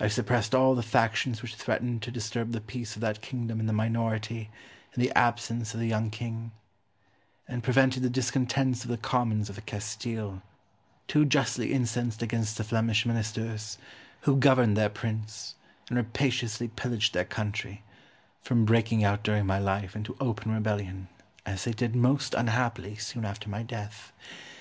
I suppressed all the factions which threatened to disturb the peace of that kingdom in the minority and the absence of the young king; and prevented the discontents of the commons of Castile, too justly incensed against the Flemish Ministers, who governed their prince and rapaciously pillaged their country, from breaking out during my life into open rebellion, as they did, most unhappily, soon after my death.